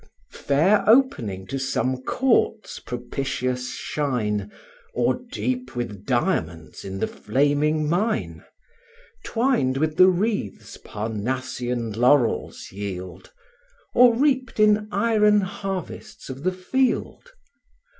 Fair opening to some Court's propitious shine, Or deep with diamonds in the flaming mine? Twined with the wreaths Parnassian laurels yield, Or reaped in iron harvests of the field?